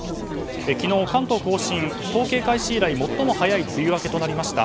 昨日、関東・甲信統計開始以来最も早い梅雨明けとなりました。